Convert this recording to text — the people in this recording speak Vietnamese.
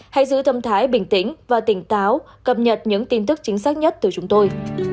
hãy giữ tâm thái bình tĩnh và tỉnh táo cập nhật những tin tức chính xác nhất từ chúng tôi